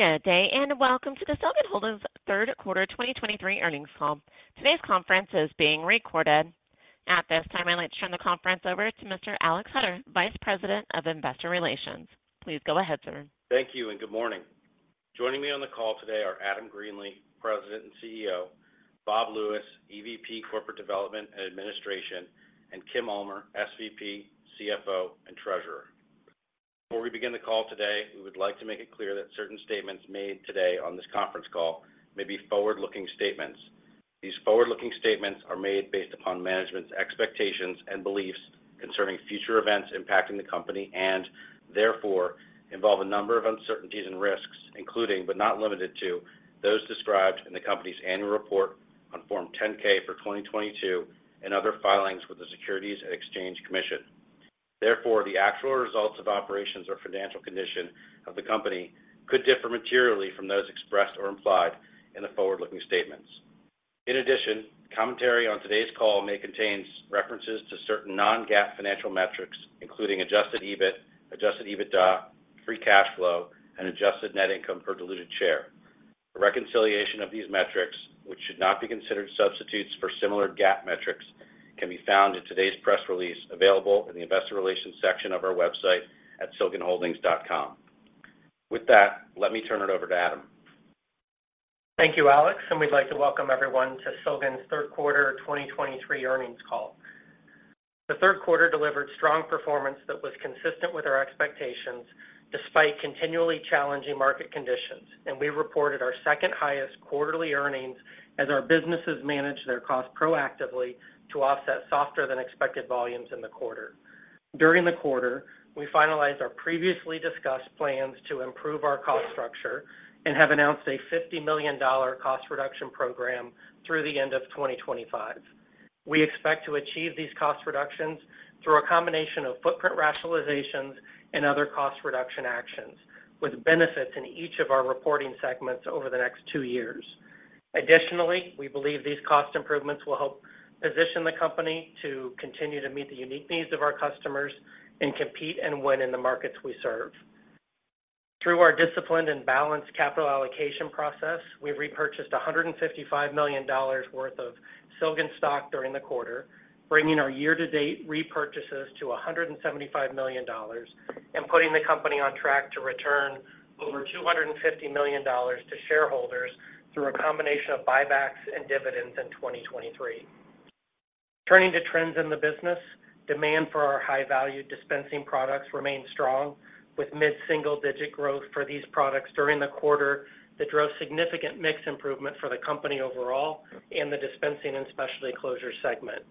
Good day, and welcome to the Silgan Holdings third quarter 2023 earnings call. Today's conference is being recorded. At this time, I'd like to turn the conference over to Mr. Alex Hutter, Vice President of Investor Relations. Please go ahead, sir. Thank you, and good morning. Joining me on the call today are Adam Greenlee, President and CEO; Bob Lewis, EVP, Corporate Development and Administration; and Kim Ulmer, SVP, CFO, and Treasurer. Before we begin the call today, we would like to make it clear that certain statements made today on this conference call may be forward-looking statements. These forward-looking statements are made based upon management's expectations and beliefs concerning future events impacting the company, and therefore involve a number of uncertainties and risks, including, but not limited to, those described in the company's annual report on Form 10-K for 2022 and other filings with the Securities and Exchange Commission. Therefore, the actual results of operations or financial condition of the company could differ materially from those expressed or implied in the forward-looking statements. In addition, commentary on today's call may contain references to certain non-GAAP financial metrics, including adjusted EBIT, adjusted EBITDA, free cash flow, and adjusted net income per diluted share. A reconciliation of these metrics, which should not be considered substitutes for similar GAAP metrics, can be found in today's press release, available in the investor relations section of our website at silganholdings.com. With that, let me turn it over to Adam. Thank you, Alex, and we'd like to welcome everyone to Silgan's third quarter 2023 earnings call. The third quarter delivered strong performance that was consistent with our expectations, despite continually challenging market conditions, and we reported our second highest quarterly earnings as our businesses managed their costs proactively to offset softer than expected volumes in the quarter. During the quarter, we finalized our previously discussed plans to improve our cost structure and have announced a $50 million cost reduction program through the end of 2025. We expect to achieve these cost reductions through a combination of footprint rationalizations and other cost reduction actions, with benefits in each of our reporting segments over the next two years. Additionally, we believe these cost improvements will help position the company to continue to meet the unique needs of our customers and compete and win in the markets we serve. Through our disciplined and balanced capital allocation process, we've repurchased $155 million worth of Silgan stock during the quarter, bringing our year-to-date repurchases to $175 million and putting the company on track to return over $250 million to shareholders through a combination of buybacks and dividends in 2023. Turning to trends in the business, demand for our high-value dispensing products remained strong, with mid-single-digit growth for these products during the quarter that drove significant mix improvement for the company overall in the Dispensing and Specialty Closures segment.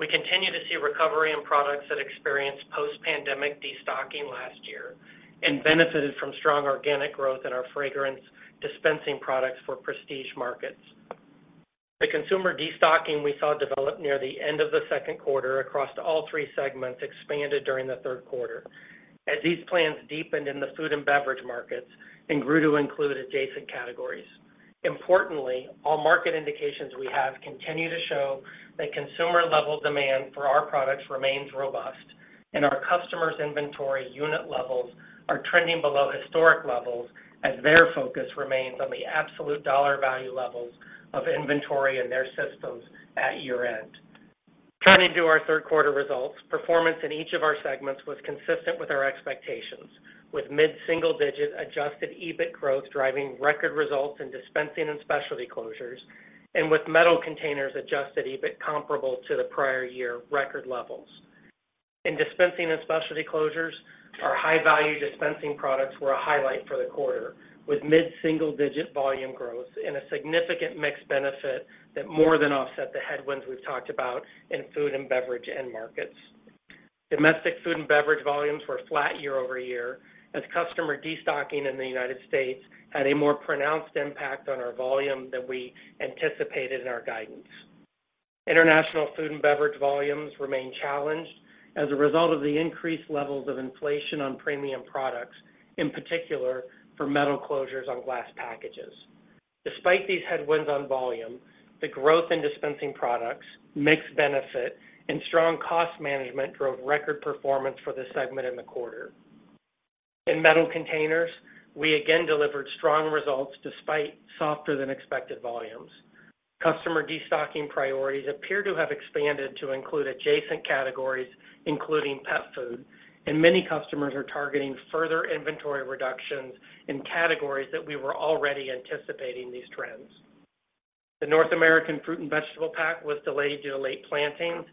We continue to see recovery in products that experienced post-pandemic destocking last year and benefited from strong organic growth in our fragrance dispensing products for prestige markets. The consumer destocking we saw develop near the end of the second quarter across all three segments expanded during the third quarter, as these plans deepened in the food and beverage markets and grew to include adjacent categories. Importantly, all market indications we have continue to show that consumer-level demand for our products remains robust, and our customers' inventory unit levels are trending below historic levels as their focus remains on the absolute dollar value levels of inventory in their systems at year-end. Turning to our third quarter results, performance in each of our segments was consistent with our expectations, with mid-single-digit adjusted EBIT growth, driving record results in Dispensing and Specialty Closures, and with Metal Containers adjusted EBIT comparable to the prior-year record levels. In Dispensing and Specialty Closures, our high-value dispensing products were a highlight for the quarter, with mid-single-digit volume growth and a significant mix benefit that more than offset the headwinds we've talked about in food and beverage end markets. Domestic food and beverage volumes were flat year-over-year, as customer destocking in the United States had a more pronounced impact on our volume than we anticipated in our guidance. International food and beverage volumes remain challenged as a result of the increased levels of inflation on premium products, in particular for metal closures on glass packages. Despite these headwinds on volume, the growth in dispensing products, mix benefit and strong cost management drove record performance for the segment in the quarter. In Metal Containers, we again delivered strong results despite softer than expected volumes. Customer destocking priorities appear to have expanded to include adjacent categories, including pet food, and many customers are targeting further inventory reductions in categories that we were already anticipating these trends. The North American fruit and vegetable pack was delayed due to late plantings,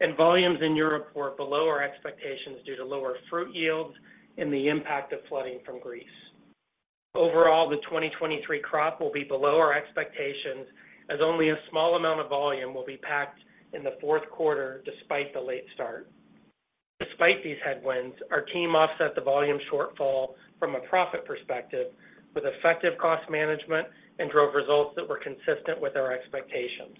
and volumes in Europe were below our expectations due to lower fruit yields and the impact of flooding from Greece. Overall, the 2023 crop will be below our expectations as only a small amount of volume will be packed in the fourth quarter despite the late start. Despite these headwinds, our team offset the volume shortfall from a profit perspective with effective cost management and drove results that were consistent with our expectations.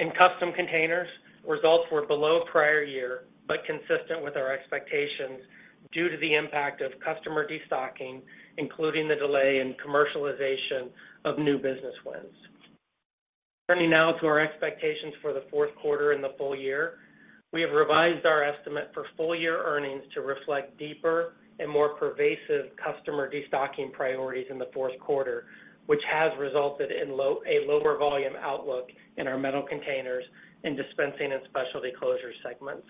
In Custom Containers, results were below prior year, but consistent with our expectations due to the impact of customer destocking, including the delay in commercialization of new business wins. Turning now to our expectations for the fourth quarter and the full year. We have revised our estimate for full-year earnings to reflect deeper and more pervasive customer destocking priorities in the fourth quarter, which has resulted in a lower volume outlook in our Metal Containers, in Dispensing and Specialty Closures segments.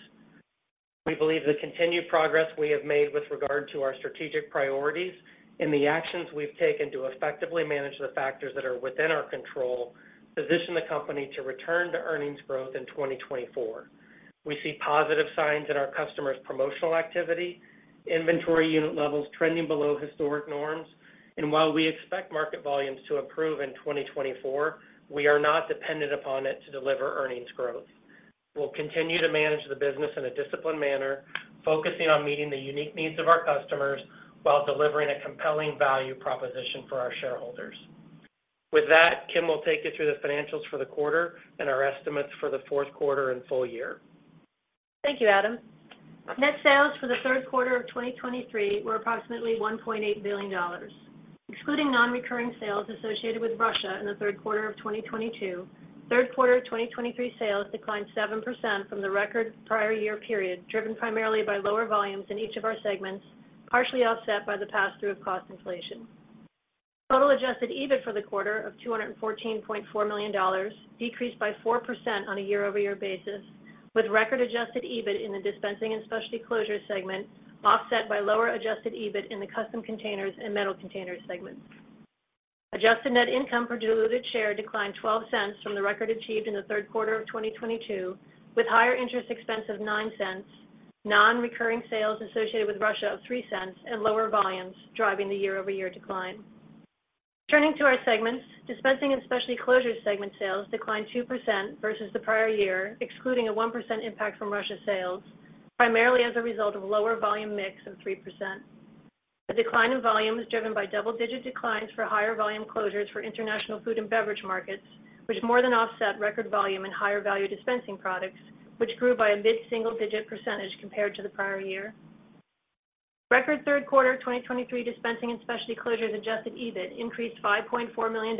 We believe the continued progress we have made with regard to our strategic priorities and the actions we've taken to effectively manage the factors that are within our control, position the company to return to earnings growth in 2024. We see positive signs in our customers' promotional activity, inventory unit levels trending below historic norms, and while we expect market volumes to improve in 2024, we are not dependent upon it to deliver earnings growth. We'll continue to manage the business in a disciplined manner, focusing on meeting the unique needs of our customers while delivering a compelling value proposition for our shareholders. With that, Kim will take you through the financials for the quarter and our estimates for the fourth quarter and full year. Thank you, Adam. Net sales for the third quarter of 2023 were approximately $1.8 billion, excluding non-recurring sales associated with Russia in the third quarter of 2022. Third quarter of 2023 sales declined 7% from the record prior year period, driven primarily by lower volumes in each of our segments, partially offset by the pass-through of cost inflation. Total adjusted EBIT for the quarter of $214.4 million, decreased by 4% on a year-over-year basis, with record adjusted EBIT in the Dispensing and Specialty Closures segment, offset by lower adjusted EBIT in the Custom Containers and Metal Containers segments. Adjusted net income per diluted share declined $0.12 from the record achieved in the third quarter of 2022, with higher interest expense of $0.90, non-recurring sales associated with Russia of $0.30, and lower volumes driving the year-over-year decline. Turning to our segments. Dispensing and Specialty Closures segment sales declined 2% versus the prior year, excluding a 1% impact from Russia sales, primarily as a result of a lower volume mix of 3%. The decline in volume was driven by double-digit declines for higher volume closures for international food and beverage markets, which more than offset record volume and higher value dispensing products, which grew by a mid-single-digit % compared to the prior year. Record third quarter of 2023 Dispensing and Specialty Closures adjusted EBIT increased $5.4 million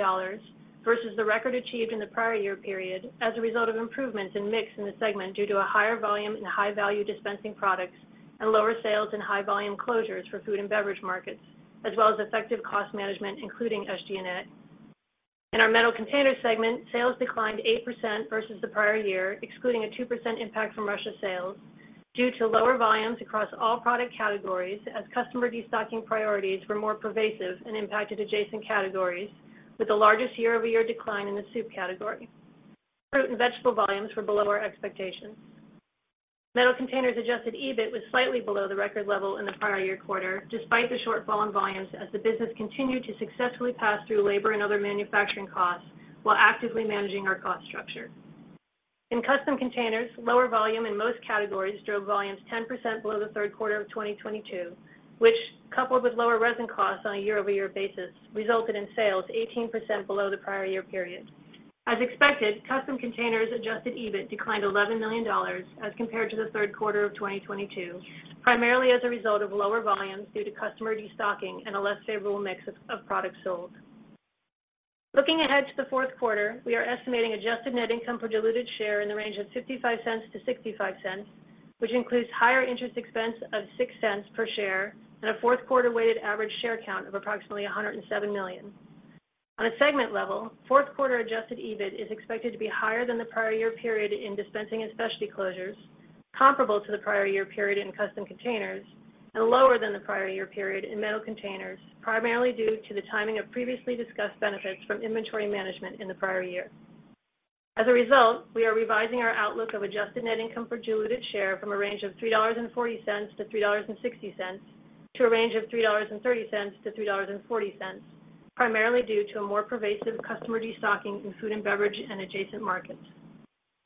versus the record achieved in the prior year period as a result of improvements in mix in the segment due to a higher volume in high value dispensing products and lower sales in high volume closures for food and beverage markets, as well as effective cost management, including SG&A. In our Metal Containers segment, sales declined 8% versus the prior year, excluding a 2% impact from Russia sales, due to lower volumes across all product categories as customer destocking priorities were more pervasive and impacted adjacent categories, with the largest year-over-year decline in the soup category. Fruit and vegetable volumes were below our expectations. Metal Containers adjusted EBIT was slightly below the record level in the prior year quarter, despite the shortfall in volumes as the business continued to successfully pass through labor and other manufacturing costs while actively managing our cost structure. In Custom Containers, lower volume in most categories drove volumes 10% below the third quarter of 2022, which, coupled with lower resin costs on a year-over-year basis, resulted in sales 18% below the prior year period. As expected, Custom Containers adjusted EBIT declined $11 million as compared to the third quarter of 2022, primarily as a result of lower volumes due to customer destocking and a less favorable mix of products sold. Looking ahead to the fourth quarter, we are estimating adjusted net income per diluted share in the range of $0.55-$0.65, which includes higher interest expense of $0.60 per share and a fourth quarter weighted average share count of approximately $107 million. On a segment level, fourth quarter adjusted EBIT is expected to be higher than the prior year period in Dispensing and Specialty Closures, comparable to the prior year period in Custom Containers, and lower than the prior year period in Metal Containers, primarily due to the timing of previously discussed benefits from inventory management in the prior year. As a result, we are revising our outlook of adjusted net income per diluted share from a range of $3.40-$3.60 to a range of $3.30-$3.40, primarily due to a more pervasive customer destocking in food and beverage and adjacent markets.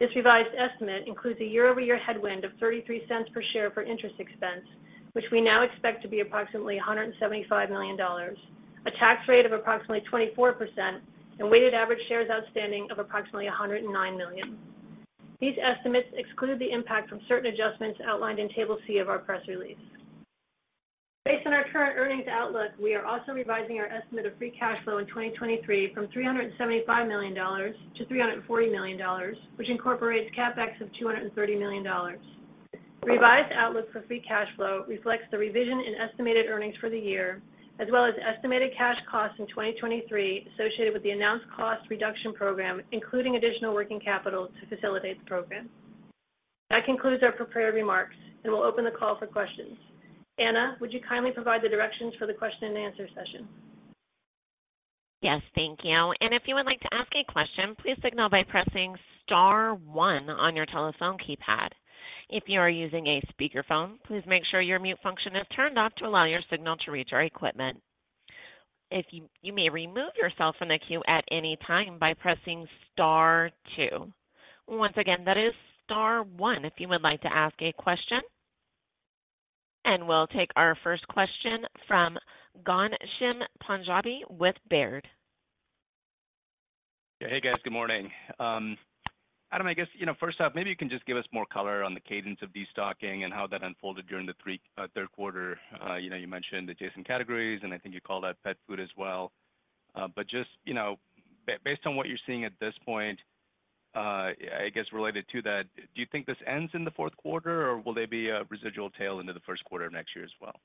This revised estimate includes a year-over-year headwind of $0.33 per share for interest expense, which we now expect to be approximately $175 million, a tax rate of approximately 24%, and weighted average shares outstanding of approximately $109 million. These estimates exclude the impact from certain adjustments outlined in Table C of our press release. Based on our current earnings outlook, we are also revising our estimate of free cash flow in 2023 from $375 million-$340 million, which incorporates CapEx of $230 million. Revised outlook for free cash flow reflects the revision in estimated earnings for the year, as well as estimated cash costs in 2023 associated with the announced cost reduction program, including additional working capital to facilitate the program. That concludes our prepared remarks, and we'll open the call for questions. Anna, would you kindly provide the directions for the Q&A session? Yes, thank you. And if you would like to ask a question, please signal by pressing star one on your telephone keypad. If you are using a speakerphone, please make sure your mute function is turned off to allow your signal to reach our equipment. If you may remove yourself from the queue at any time by pressing star two. Once again, that is star one if you would like to ask a question. And we'll take our first question from Ghansham Panjabi with Baird. Hey, guys. Good morning, Adam, I guess, you know, first off, maybe you can just give us more color on the cadence of destocking and how that unfolded during the third quarter. You know, you mentioned the adjacent categories, and I think you called out pet food as well. But just, you know, based on what you're seeing at this point, I guess related to that, do you think this ends in the fourth quarter, or will there be a residual tail into the first quarter of next year as well?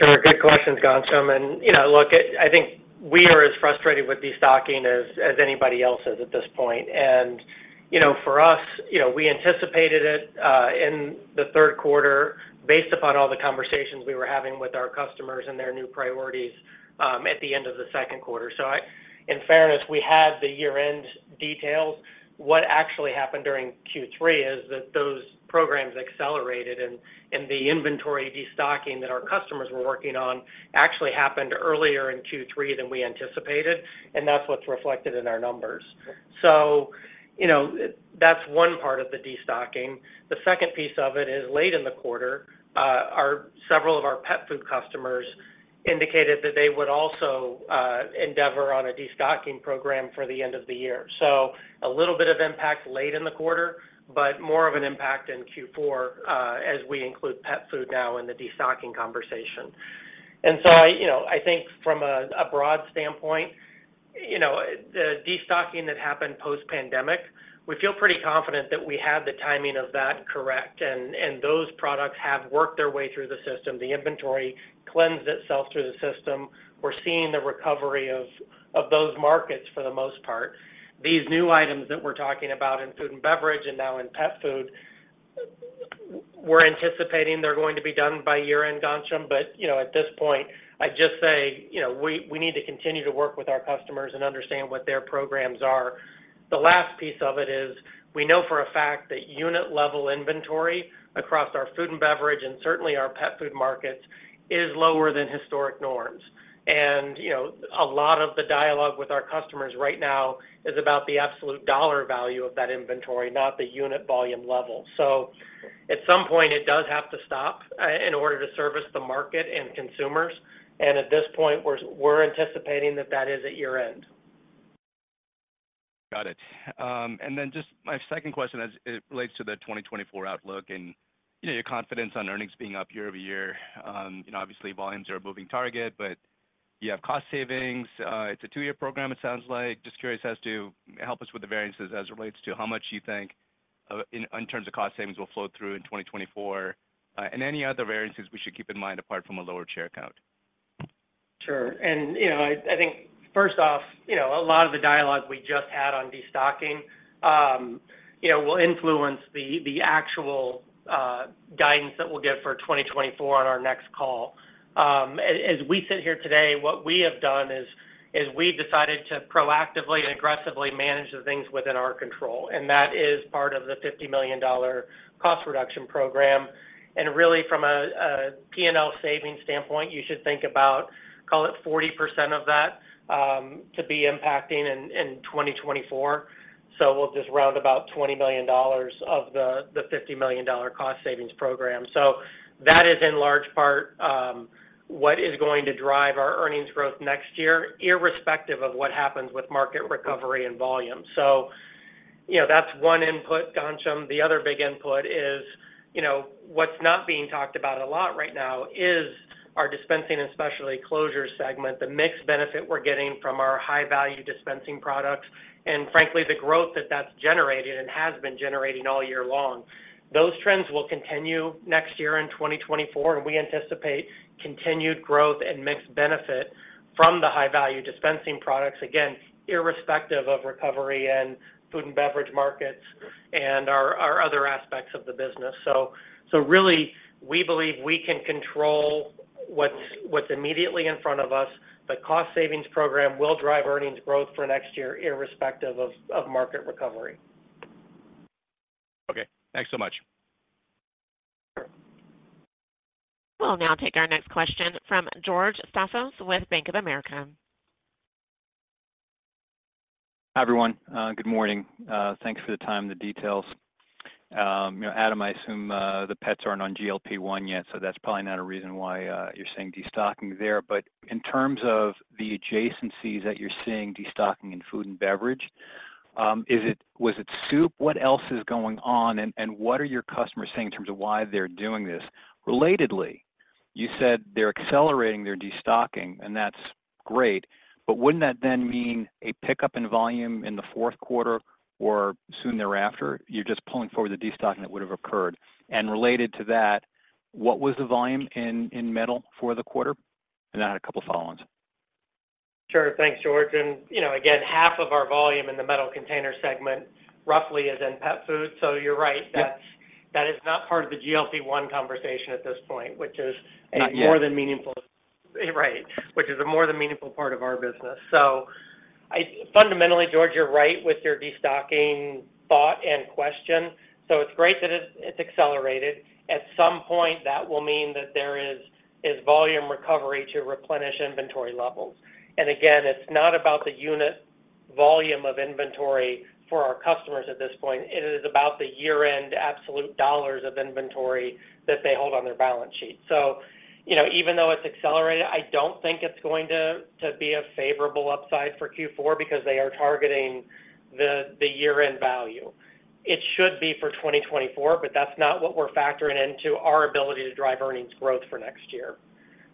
Sure. Good questions, Ghansham. And, you know, look, I, I think we are as frustrated with destocking as, as anybody else is at this point. And, you know, for us, you know, we anticipated it in the third quarter based upon all the conversations we were having with our customers and their new priorities at the end of the second quarter. So, in fairness, we had the year-end details. What actually happened during Q3 is that those programs accelerated and, and the inventory destocking that our customers were working on actually happened earlier in Q3 than we anticipated, and that's what's reflected in our numbers. So, you know, that's one part of the destocking. The second piece of it is, late in the quarter, several of our pet food customers indicated that they would also endeavor on a destocking program for the end of the year. So a little bit of impact late in the quarter, but more of an impact in Q4, as we include pet food now in the destocking conversation. And so I, you know, I think from a broad standpoint, you know, the destocking that happened post-pandemic, we feel pretty confident that we have the timing of that correct, and those products have worked their way through the system. The inventory cleansed itself through the system. We're seeing the recovery of those markets for the most part. These new items that we're talking about in food and beverage and now in pet food, we're anticipating they're going to be done by year-end, Ghansham. But, you know, at this point, I'd just say, you know, we need to continue to work with our customers and understand what their programs are. The last piece of it is, we know for a fact that unit-level inventory across our food and beverage, and certainly our pet food markets, is lower than historic norms. And, you know, a lot of the dialogue with our customers right now is about the absolute dollar value of that inventory, not the unit volume level. So at some point, it does have to stop in order to service the market and consumers, and at this point, we're anticipating that that is at year-end. Got it. And then just my second question as it relates to the 2024 outlook and, you know, your confidence on earnings being up year-over-year. You know, obviously, volumes are a moving target, but you have cost savings. It's a two-year program, it sounds like. Just curious as to, help us with the variances as it relates to how much you think, in terms of cost savings, will flow through in 2024, and any other variances we should keep in mind apart from a lower share count. Sure. And, you know, I think first off, you know, a lot of the dialogue we just had on destocking, you know, will influence the actual guidance that we'll give for 2024 on our next call. As we sit here today, what we have done is we've decided to proactively and aggressively manage the things within our control, and that is part of the $50 million cost reduction program. And really, from a P&L savings standpoint, you should think about, call it 40% of that, to be impacting in 2024. So we'll just round about $20 million of the $50 million cost savings program. So that is, in large part, what is going to drive our earnings growth next year, irrespective of what happens with market recovery and volume. So, you know, that's one input, Ghansham. The other big input is, you know, what's not being talked about a lot right now is our dispensing, especially closure segment, the mix benefit we're getting from our high-value dispensing products, and frankly, the growth that that's generated and has been generating all year long. Those trends will continue next year in 2024, and we anticipate continued growth and mix benefit from the high-value dispensing products, again, irrespective of recovery in food and beverage markets and our, our other aspects of the business. So, so really, we believe we can control what's, what's immediately in front of us. The cost savings program will drive earnings growth for next year, irrespective of, of market recovery. Okay, thanks so much. Sure. We'll now take our next question from George Staphos with Bank of America. Hi, everyone. Good morning. Thanks for the time and the details. You know, Adam, I assume the pets aren't on GLP-1 yet, so that's probably not a reason why you're seeing destocking there. But in terms of the adjacencies that you're seeing destocking in food and beverage, is it—was it soup? What else is going on, and what are your customers saying in terms of why they're doing this? Relatedly, you said they're accelerating their destocking, and that's great, but wouldn't that then mean a pickup in volume in the fourth quarter or soon thereafter? You're just pulling forward the destocking that would have occurred. And related to that, what was the volume in metal for the quarter? And I had a couple follow-ons. Sure. Thanks, George. And, you know, again, half of our volume in the Metal Containers segment roughly is in pet food. So you're right, that- Yep... that is not part of the GLP-1 conversation at this point, which is- Not yet... more than meaningful. Right, which is a more than meaningful part of our business. So fundamentally, George, you're right with your destocking thought and question. So it's great that it's accelerated. At some point, that will mean that there is volume recovery to replenish inventory levels. And again, it's not about the unit volume of inventory for our customers at this point. It is about the year-end absolute dollars of inventory that they hold on their balance sheet. So, you know, even though it's accelerated, I don't think it's going to be a favorable upside for Q4 because they are targeting the year-end value. It should be for 2024, but that's not what we're factoring into our ability to drive earnings growth for next year.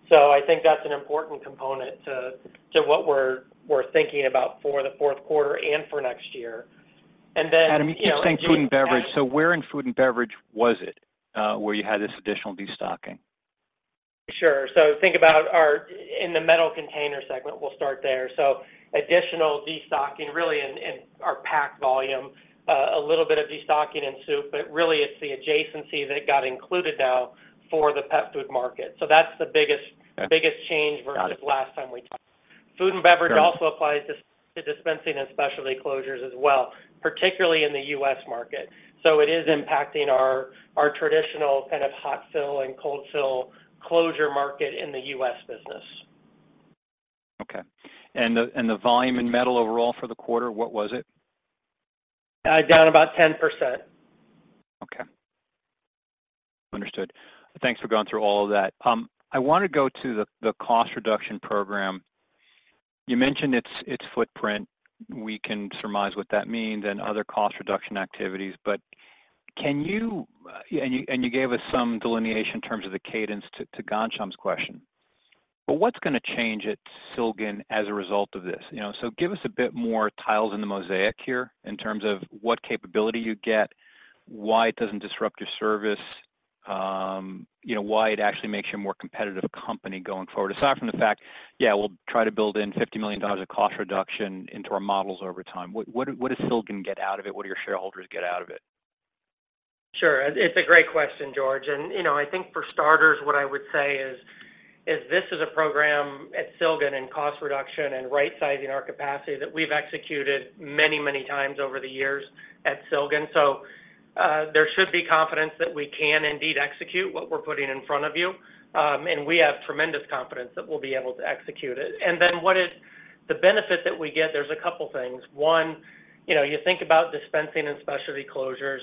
So I think that's an important component to what we're thinking about for the fourth quarter and for next year. And then, you know, as- Adam, you're saying food and beverage. So where in food and beverage was it, where you had this additional destocking? Sure. So think about our, in the Metal Containers segment, we'll start there. So additional destocking really in our pack volume, a little bit of destocking in soup, but really it's the adjacencies that got included now for the pet food market. So that's the biggest- Okay... biggest change versus- Got it... last time we talked. Food and beverage- Sure... also applies to Dispensing and Specialty Closures as well, particularly in the U.S. market. So it is impacting our traditional kind of hot fill and cold fill closure market in the U.S. business. Okay. And the volume in metal overall for the quarter, what was it? Down about 10%. Okay. Understood. Thanks for going through all of that. I want to go to the cost reduction program. You mentioned its footprint. We can surmise what that means and other cost reduction activities, but can you... And you gave us some delineation in terms of the cadence to Ghansham's question. But what's going to change at Silgan as a result of this? You know, so give us a bit more tiles in the mosaic here in terms of what capability you get, why it doesn't disrupt your service, you know, why it actually makes you a more competitive company going forward, aside from the fact, "Yeah, we'll try to build in $50 million of cost reduction into our models over time." What, what, what does Silgan get out of it? What do your shareholders get out of it? Sure. It's a great question, George, and, you know, I think for starters, what I would say is this is a program at Silgan in cost reduction and rightsizing our capacity that we've executed many, many times over the years at Silgan. So, there should be confidence that we can indeed execute what we're putting in front of you, and we have tremendous confidence that we'll be able to execute it. And then what is the benefit that we get? There's a couple things. One, you know, you think about Dispensing and Specialty Closures.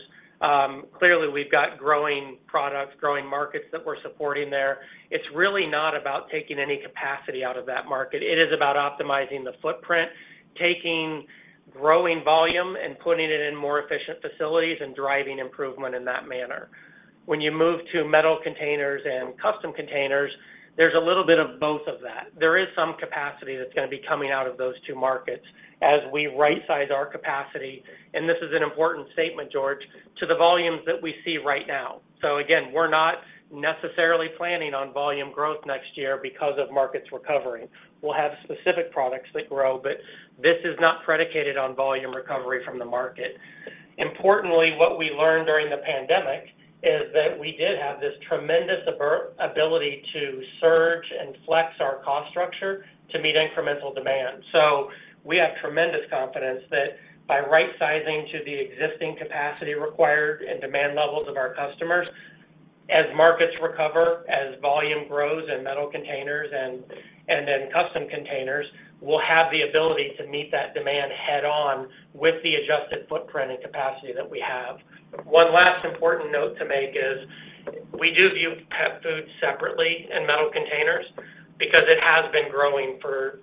Clearly, we've got growing products, growing markets that we're supporting there. It's really not about taking any capacity out of that market. It is about optimizing the footprint, taking growing volume and putting it in more efficient facilities and driving improvement in that manner. When you move to Metal Containers and Custom Containers, there's a little bit of both of that. There is some capacity that's going to be coming out of those two markets as we rightsize our capacity, and this is an important statement, George, to the volumes that we see right now. So again, we're not necessarily planning on volume growth next year because of markets recovering. We'll have specific products that grow, but this is not predicated on volume recovery from the market. Importantly, what we learned during the pandemic is that we did have this tremendous ability to surge and flex our cost structure to meet incremental demand. So we have tremendous confidence that by rightsizing to the existing capacity required and demand levels of our customers, as markets recover, as volume grows in Metal Containers and in Custom Containers, we'll have the ability to meet that demand head-on with the adjusted footprint and capacity that we have. One last important note to make is we do view pet food separately in Metal Containers because it has been growing for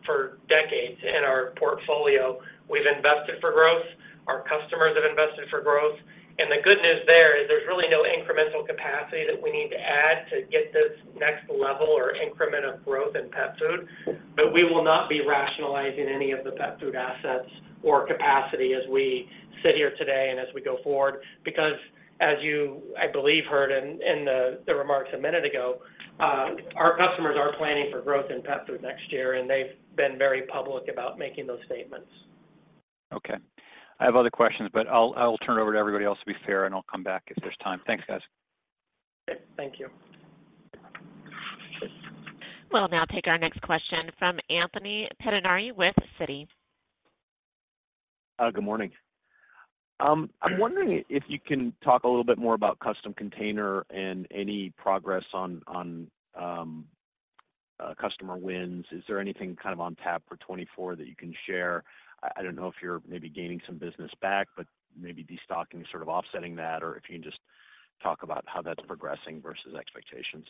decades in our portfolio. We've invested for growth, our customers have invested for growth, and the good news there is there's really no incremental capacity that we need to add to get this next level or increment of growth in pet food. But we will not be rationalizing any of the pet food assets or capacity as we sit here today and as we go forward, because as you, I believe, heard in the remarks a minute ago, our customers are planning for growth in pet food next year, and they've been very public about making those statements. Okay. I have other questions, but I'll, I'll turn it over to everybody else to be fair, and I'll come back if there's time. Thanks, guys. Okay. Thank you. We'll now take our next question from Anthony Pettinari with Citi. Good morning. I'm wondering if you can talk a little bit more about Custom Containers and any progress on customer wins. Is there anything kind of on tap for 2024 that you can share? I don't know if you're maybe gaining some business back, but maybe destocking is sort of offsetting that, or if you can just talk about how that's progressing versus expectations.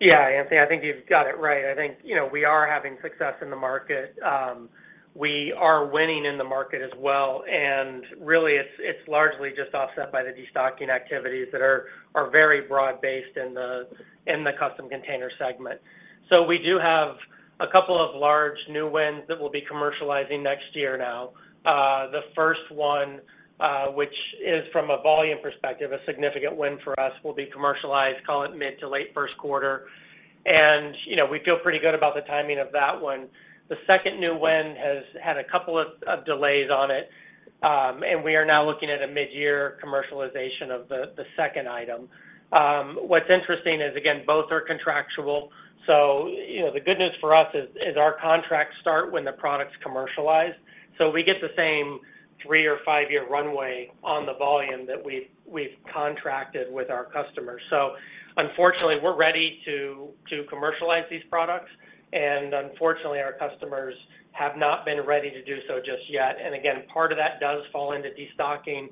Yeah, Anthony, I think you've got it right. I think, you know, we are having success in the market. We are winning in the market as well, and really, it's largely just offset by the destocking activities that are very broad-based in the Custom Container segment. So we do have a couple of large new wins that we'll be commercializing next year now. The first one, which is, from a volume perspective, a significant win for us, will be commercialized, call it mid to late first quarter. And, you know, we feel pretty good about the timing of that one. The second new win has had a couple of delays on it, and we are now looking at a mid-year commercialization of the second item. What's interesting is, again, both are contractual. So you know, the good news for us is our contracts start when the product's commercialized. So we get the same three- or five-year runway on the volume that we've contracted with our customers. So unfortunately, we're ready to commercialize these products, and unfortunately, our customers have not been ready to do so just yet. And again, part of that does fall into destocking,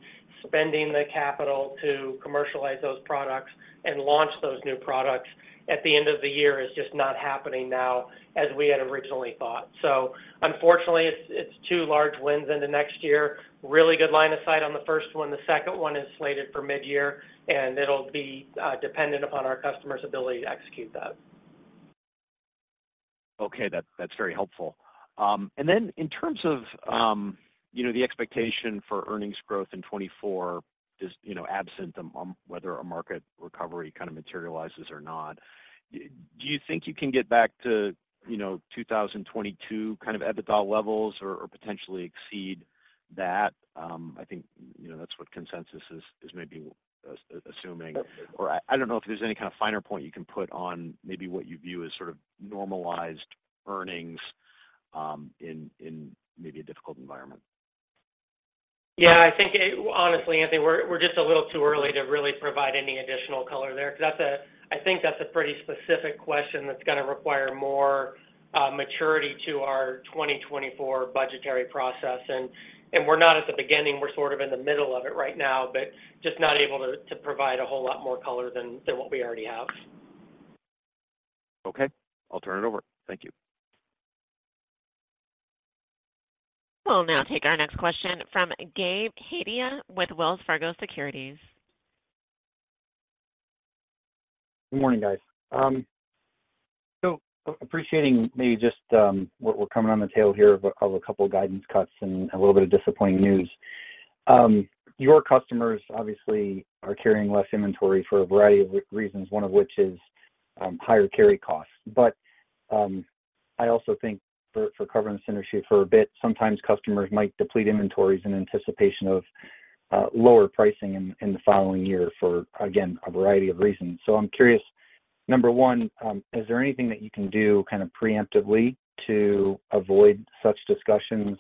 spending the capital to commercialize those products and launch those new products at the end of the year is just not happening now as we had originally thought. So unfortunately, it's two large wins in the next year. Really good line of sight on the first one. The second one is slated for mid-year, and it'll be dependent upon our customer's ability to execute that. Okay, that's, that's very helpful. And then in terms of, you know, the expectation for earnings growth in 2024, just, you know, absent whether a market recovery kind of materializes or not, do you think you can get back to, you know, 2022 kind of EBITDA levels or, or potentially exceed that? I think, you know, that's what consensus is maybe assuming. Or I don't know if there's any kind of finer point you can put on maybe what you view as sort of normalized earnings in maybe a difficult environment. Yeah, I think, honestly, Anthony, we're just a little too early to really provide any additional color there, because that's a—I think that's a pretty specific question that's gonna require more maturity to our 2024 budgetary process. And we're not at the beginning, we're sort of in the middle of it right now, but just not able to provide a whole lot more color than what we already have. Okay. I'll turn it over. Thank you. We'll now take our next question from Gabe Hajde with Wells Fargo Securities. Good morning, guys. So appreciating maybe just, we're coming on the tail here of a couple of guidance cuts and a little bit of disappointing news. Your customers obviously are carrying less inventory for a variety of reasons, one of which is higher carry costs. But I also think for the can industry, for a bit, sometimes customers might deplete inventories in anticipation of lower pricing in the following year for, again, a variety of reasons. So I'm curious, number one, is there anything that you can do kind of preemptively to avoid such discussions?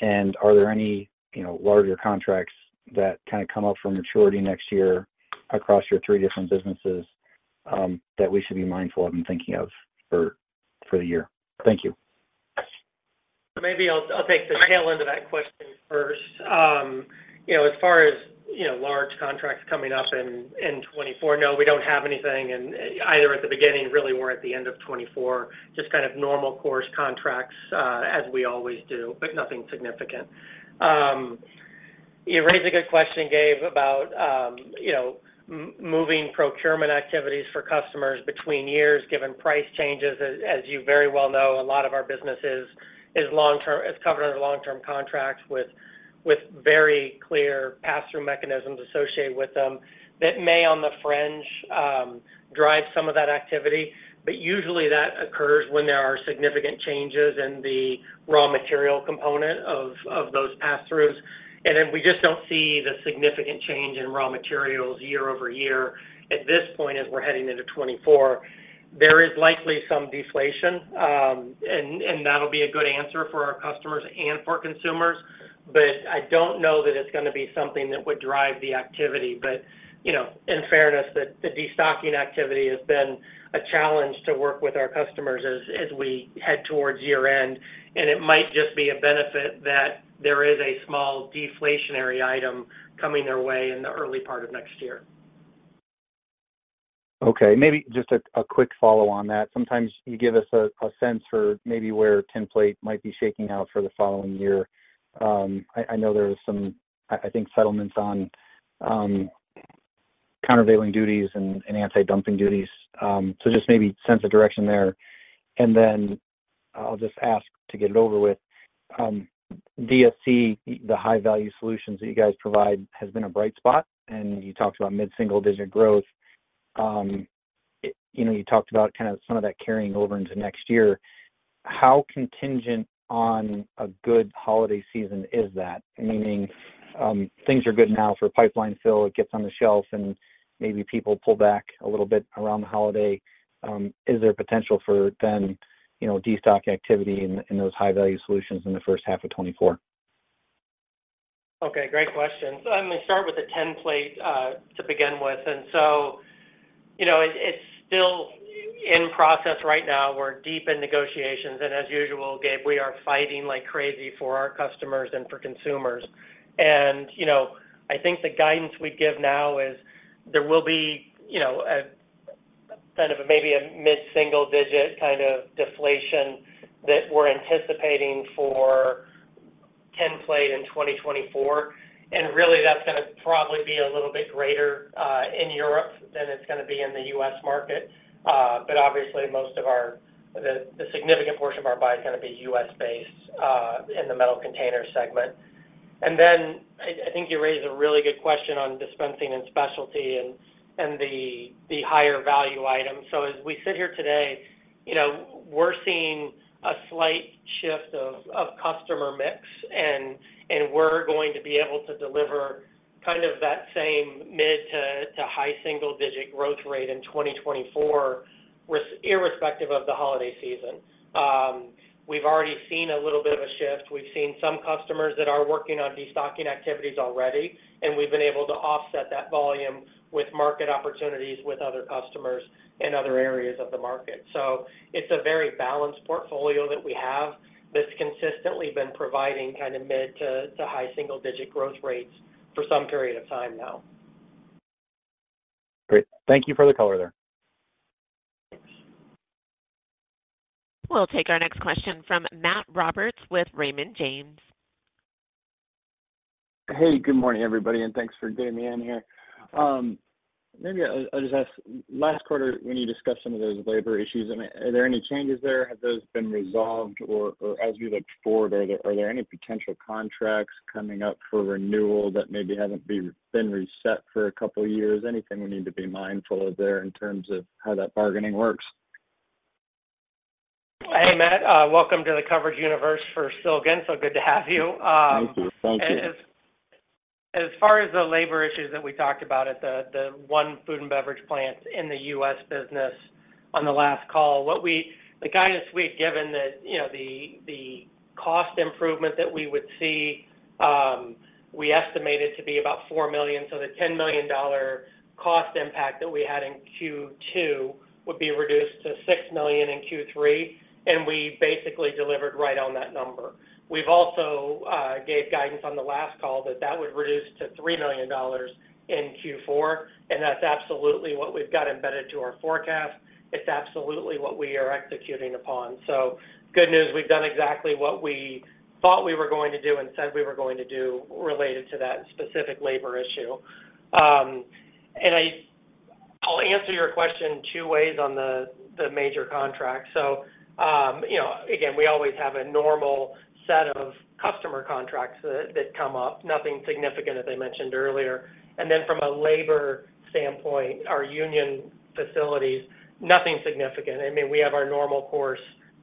And are there any, you know, larger contracts that kind of come up for maturity next year across your three different businesses, that we should be mindful of and thinking of for the year? Thank you. Maybe I'll take the tail end of that question first. You know, as far as, you know, large contracts coming up in 2024, no, we don't have anything, and either at the beginning, really, or at the end of 2024, just kind of normal course contracts, as we always do, but nothing significant. You raised a good question, Gabe, about, you know, moving procurement activities for customers between years, given price changes. As you very well know, a lot of our businesses is long term - is covered under long-term contracts with very clear pass-through mechanisms associated with them, that may, on the fringe, drive some of that activity. But usually, that occurs when there are significant changes in the raw material component of those pass-throughs. Then we just don't see the significant change in raw materials year-over-year. At this point, as we're heading into 2024, there is likely some deflation, and that'll be a good answer for our customers and for consumers. But I don't know that it's gonna be something that would drive the activity. But, you know, in fairness, the destocking activity has been a challenge to work with our customers as we head towards year-end, and it might just be a benefit that there is a small deflationary item coming their way in the early part of next year. Okay, maybe just a quick follow on that. Sometimes you give us a sense for maybe where tinplate might be shaking out for the following year. I know there was some, I think, settlements on countervailing duties and antidumping duties. So just maybe sense of direction there. And then I'll just ask to get it over with, DSC, the high value solutions that you guys provide has been a bright spot, and you talked about mid-single digit growth. You know, you talked about kind of some of that carrying over into next year. How contingent on a good holiday season is that? Meaning, things are good now for pipeline fill. It gets on the shelf, and maybe people pull back a little bit around the holiday. Is there potential for then, you know, destocking activity in those high-value solutions in the first half of 2024? Okay, great question. So let me start with the tinplate to begin with. And so, you know, it's still in process right now. We're deep in negotiations, and as usual, Gabe, we are fighting like crazy for our customers and for consumers. And, you know, I think the guidance we give now is there will be, you know, a kind of maybe a mid-single digit kind of deflation that we're anticipating for tinplate in 2024. And really, that's gonna probably be a little bit greater in Europe than it's gonna be in the U.S. market. But obviously, most of our—the significant portion of our buy is gonna be U.S.-based in the Metal Containers segment. And then I think you raised a really good question on dispensing and specialty and the higher value items. So as we sit here today, you know, we're seeing a slight shift of customer mix, and we're going to be able to deliver kind of that same mid- to high-single-digit growth rate in 2024, irrespective of the holiday season. We've already seen a little bit of a shift. We've seen some customers that are working on destocking activities already, and we've been able to offset that volume with market opportunities with other customers in other areas of the market. So it's a very balanced portfolio that we have, that's consistently been providing kind of mid- to high-single-digit growth rates for some period of time now. Great. Thank you for the color there. We'll take our next question from Matt Roberts with Raymond James. Hey, good morning, everybody, and thanks for getting me in here. Maybe I'll just ask, last quarter, when you discussed some of those labor issues, I mean, are there any changes there? Have those been resolved, or as you look forward, are there any potential contracts coming up for renewal that maybe haven't been reset for a couple of years? Anything we need to be mindful of there in terms of how that bargaining works? Hey, Matt, welcome to the coverage universe for Silgan. So good to have you. Thank you. Thank you. As far as the labor issues that we talked about at the one food and beverage plant in the U.S. business on the last call, what we, the guidance we had given that, you know, the cost improvement that we would see, we estimated to be about $4 million. So the $10 million cost impact that we had in Q2 would be reduced to $6 million in Q3, and we basically delivered right on that number. We've also gave guidance on the last call that that would reduce to $3 million in Q4, and that's absolutely what we've got embedded to our forecast. It's absolutely what we are executing upon. So good news, we've done exactly what we thought we were going to do and said we were going to do related to that specific labor issue. I'll answer your question two ways on the major contract. So, you know, again, we always have a normal set of customer contracts that come up, nothing significant, as I mentioned earlier. And then from a labor standpoint, our union facilities, nothing significant. I mean, we have our normal course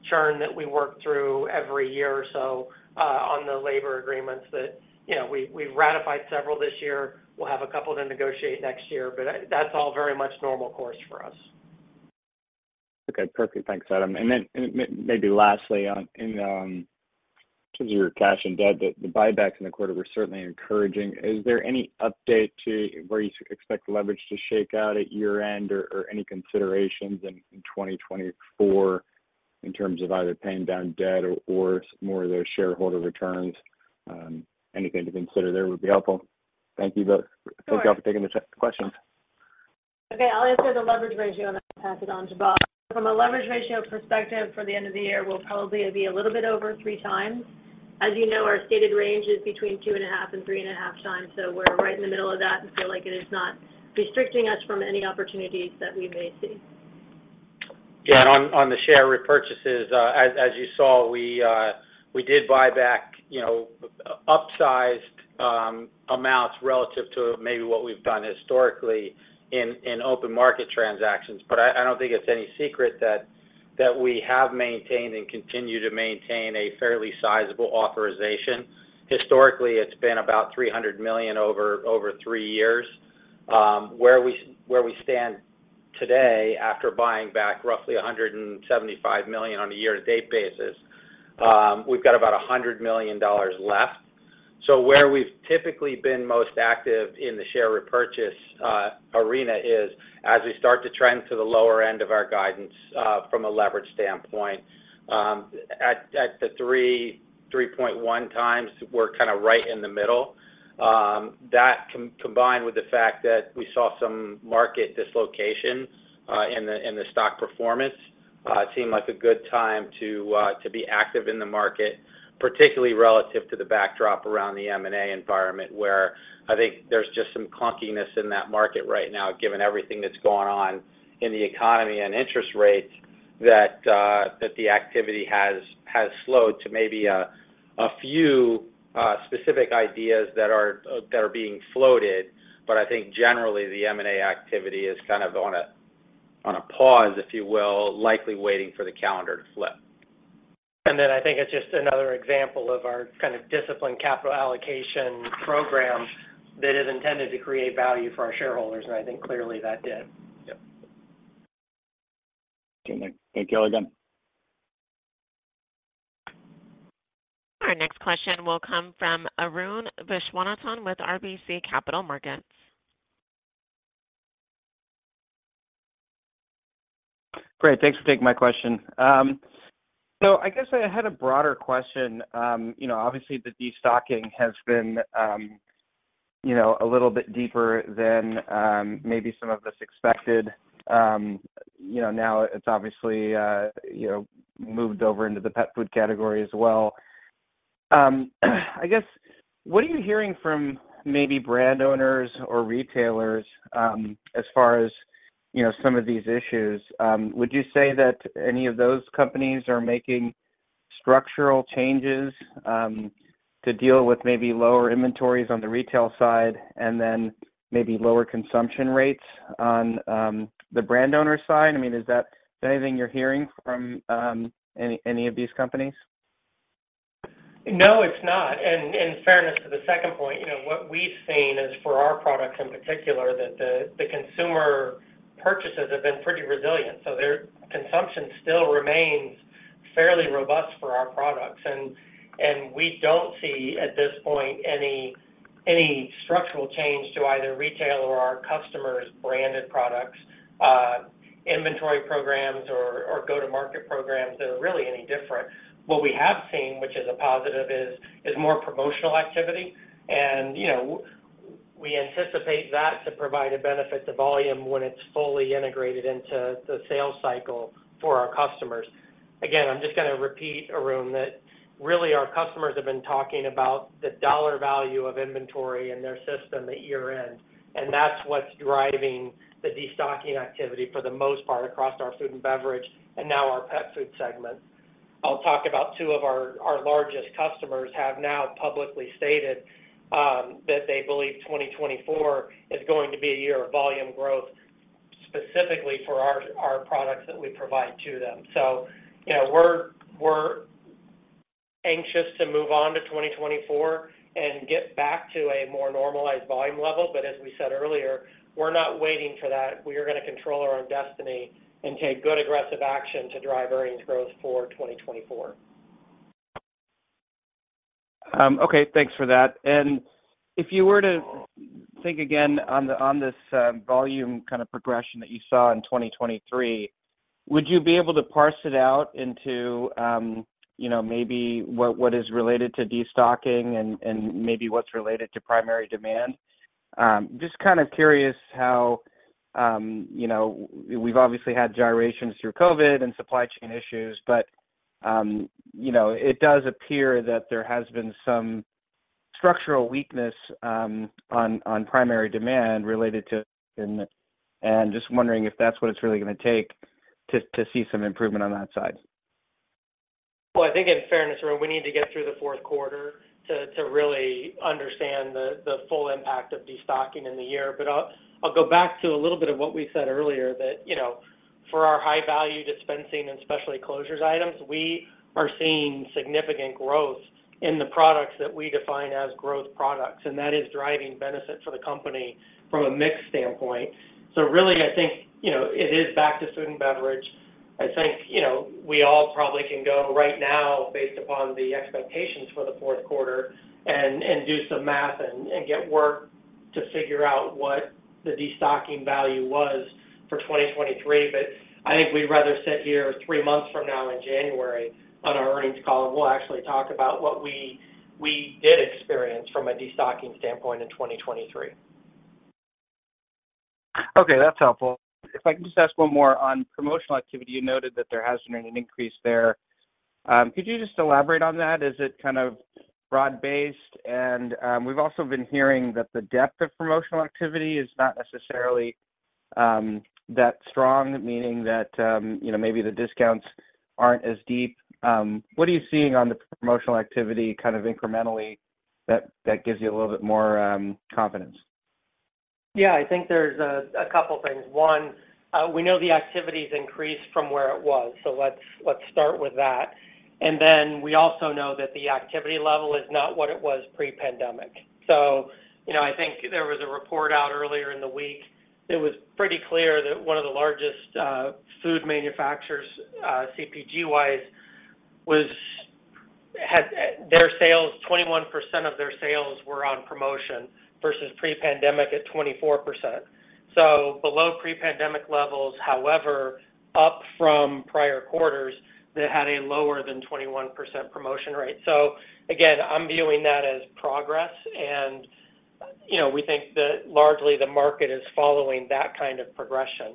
churn that we work through every year or so, on the labor agreements that, you know, we, we've ratified several this year. We'll have a couple to negotiate next year, but that's all very much normal course for us. Okay, perfect. Thanks, Adam. And then maybe lastly, on in terms of your cash and debt, the buybacks in the quarter were certainly encouraging. Is there any update to where you expect the leverage to shake out at year-end or any considerations in 2024 in terms of either paying down debt or more of those shareholder returns? Anything to consider there would be helpful. Thank you both. Sure. Thank you all for taking the questions. Okay, I'll answer the leverage ratio, and I'll pass it on to Bob. From a leverage ratio perspective, for the end of the year, we'll probably be a little bit over 3x. As you know, our stated range is between 2.5x and 3.5x, so we're right in the middle of that and feel like it is not restricting us from any opportunities that we may see. Yeah, on the share repurchases, as you saw, we did buy back, you know, upsized amounts relative to maybe what we've done historically in open market transactions. But I don't think it's any secret that we have maintained and continue to maintain a fairly sizable authorization. Historically, it's been about $300 million over three years. Where we stand today, after buying back roughly $175 million on a year-to-date basis, we've got about $100 million left. So where we've typically been most active in the share repurchase arena is as we start to trend to the lower end of our guidance from a leverage standpoint, at 3.1x, we're kinda right in the middle. That combined with the fact that we saw some market dislocation in the stock performance, it seemed like a good time to be active in the market, particularly relative to the backdrop around the M&A environment, where I think there's just some clunkiness in that market right now, given everything that's going on in the economy and interest rates, that the activity has slowed to maybe a few specific ideas that are being floated. But I think generally, the M&A activity is kind of on a pause, if you will, likely waiting for the calendar to flip. And then I think it's just another example of our kind of disciplined capital allocation program that is intended to create value for our shareholders, and I think clearly that did. Yep. Okay, thank you all again. Our next question will come from Arun Viswanathan with RBC Capital Markets. Great. Thanks for taking my question. So I guess I had a broader question. You know, obviously, the destocking has been, you know, a little bit deeper than, maybe some of us expected. You know, now it's obviously, you know, moved over into the pet food category as well. I guess, what are you hearing from maybe brand owners or retailers, as far as, you know, some of these issues? Would you say that any of those companies are making structural changes, to deal with maybe lower inventories on the retail side and then maybe lower consumption rates on, the brand owner side? I mean, is that anything you're hearing from, any, any of these companies?... No, it's not. And in fairness to the second point, you know, what we've seen is for our products in particular, that the consumer purchases have been pretty resilient, so their consumption still remains fairly robust for our products. And we don't see, at this point, any structural change to either retail or our customers' branded products, inventory programs or go-to-market programs that are really any different. What we have seen, which is a positive, is more promotional activity. And, you know, we anticipate that to provide a benefit to volume when it's fully integrated into the sales cycle for our customers. Again, I'm just gonna repeat, Arun, that really our customers have been talking about the dollar value of inventory in their system at year-end, and that's what's driving the destocking activity for the most part across our food and beverage and now our pet food segment. I'll talk about two of our largest customers have now publicly stated that they believe 2024 is going to be a year of volume growth, specifically for our products that we provide to them. So, you know, we're anxious to move on to 2024 and get back to a more normalized volume level. But as we said earlier, we're not waiting for that. We are gonna control our own destiny and take good, aggressive action to drive earnings growth for 2024. Okay, thanks for that. And if you were to think again on this volume kind of progression that you saw in 2023, would you be able to parse it out into, you know, maybe what is related to destocking and maybe what's related to primary demand? Just kind of curious how, you know, we've obviously had gyrations through COVID and supply chain issues, but, you know, it does appear that there has been some structural weakness on primary demand related to... And just wondering if that's what it's really gonna take to see some improvement on that side. Well, I think in fairness, Arun, we need to get through the fourth quarter to really understand the full impact of destocking in the year. But I'll go back to a little bit of what we said earlier, that, you know, for our high-value Dispensing and Specialty Closures items, we are seeing significant growth in the products that we define as growth products, and that is driving benefit for the company from a mix standpoint. So really, I think, you know, it is back to food and beverage. I think, you know, we all probably can go right now, based upon the expectations for the fourth quarter, and do some math and get work to figure out what the destocking value was for 2023. But I think we'd rather sit here three months from now in January on our earnings call, and we'll actually talk about what we did experience from a destocking standpoint in 2023. Okay, that's helpful. If I can just ask one more on promotional activity. You noted that there has been an increase there. Could you just elaborate on that? Is it kind of broad-based? We've also been hearing that the depth of promotional activity is not necessarily that strong, meaning that you know, maybe the discounts aren't as deep. What are you seeing on the promotional activity kind of incrementally that gives you a little bit more confidence? Yeah, I think there's a couple things. One, we know the activity's increased from where it was, so let's start with that. And then we also know that the activity level is not what it was pre-pandemic. So, you know, I think there was a report out earlier in the week. It was pretty clear that one of the largest food manufacturers, CPG-wise, had their sales, 21% of their sales were on promotion versus pre-pandemic at 24%. So below pre-pandemic levels, however, up from prior quarters that had a lower than 21% promotion rate. So again, I'm viewing that as progress, and, you know, we think that largely the market is following that kind of progression.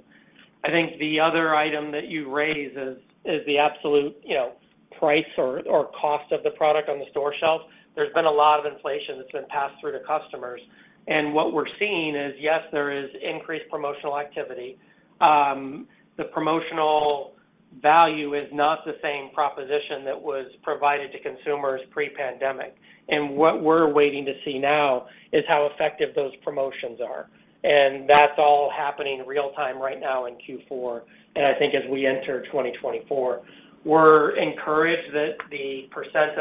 I think the other item that you raise is the absolute, you know, price or cost of the product on the store shelf. There's been a lot of inflation that's been passed through to customers, and what we're seeing is, yes, there is increased promotional activity. The promotional value is not the same proposition that was provided to consumers pre-pandemic. And what we're waiting to see now is how effective those promotions are, and that's all happening real time right now in Q4 and I think as we enter 2024. We're encouraged that the percent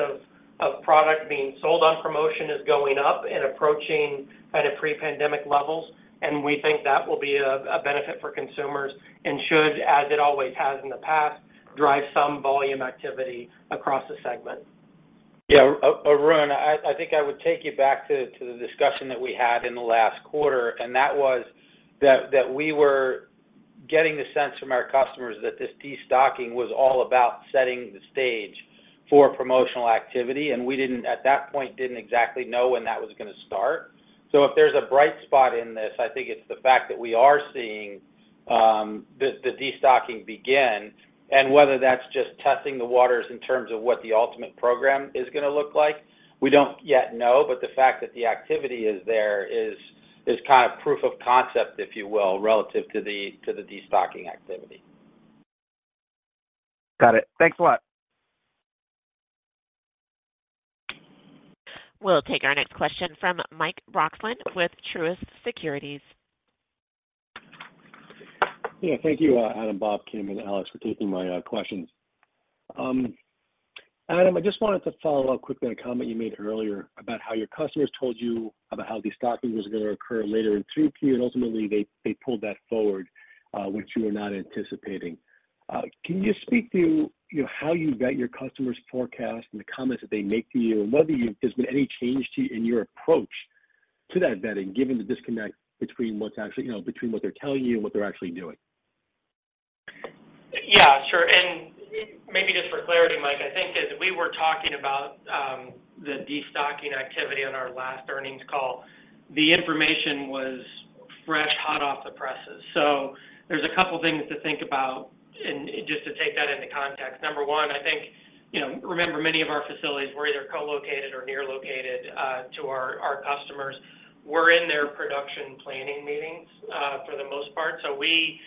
of product being sold on promotion is going up and approaching kind of pre-pandemic levels, and we think that will be a benefit for consumers and should, as it always has in the past, drive some volume activity across the segment. Yeah, Arun, I think I would take you back to the discussion that we had in the last quarter, and that was that we were getting the sense from our customers that this destocking was all about setting the stage for promotional activity, and we didn't, at that point, exactly know when that was gonna start. So if there's a bright spot in this, I think it's the fact that we are seeing the destocking begin. And whether that's just testing the waters in terms of what the ultimate program is gonna look like, we don't yet know. But the fact that the activity is there is kind of proof of concept, if you will, relative to the destocking activity. Got it. Thanks a lot. We'll take our next question from Mike Roxland with Truist Securities. ... Yeah, thank you, Adam, Bob, Kim, and Alex, for taking my questions. Adam, I just wanted to follow up quickly on a comment you made earlier about how your customers told you about how destocking was going to occur later in 3Q, and ultimately, they pulled that forward, which you were not anticipating. Can you speak to, you know, how you vet your customers' forecast and the comments that they make to you, and whether there's been any change in your approach to that vetting, given the disconnect between what's actually... You know, between what they're telling you and what they're actually doing? Yeah, sure. And maybe just for clarity, Mike, I think as we were talking about the destocking activity on our last earnings call, the information was fresh, hot off the presses. So there's a couple things to think about and just to take that into context. Number one, I think, you know, remember, many of our facilities were either co-located or near located to our customers. We're in their production planning meetings for the most part. So we